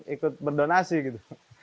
ikut berdonasi gitu